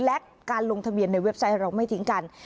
และการลงทะเบียนในเว็บไซต์เราไม่ทิ้งกัน